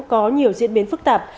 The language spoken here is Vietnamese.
có nhiều diễn biến phức tạp